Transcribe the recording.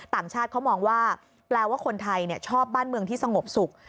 ต่างชาติเขามองว่าแปลว่าคนไทยชอบบ้านเมืองที่สงบสุข